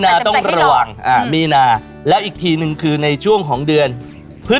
โหยิวมากประเด็นหัวหน้าแซ่บที่เกิดเดือนไหนในช่วงนี้มีเกณฑ์โดนหลอกแอ้มฟรี